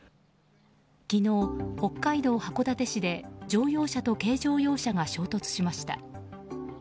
昨日、北海道函館市で乗用車と軽自動車が衝突しました。